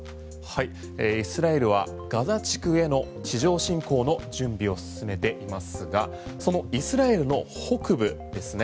イスラエルはガザ地区への地上侵攻の準備を進めていますがそのイスラエルの北部ですね。